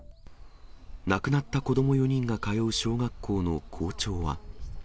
亡くなった子ども４人が通う小学校の校長は。